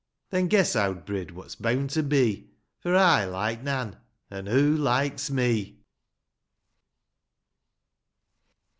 Then guess, owd brid, What's beawn to be ; For I hke Nan, — An' hoo likes me !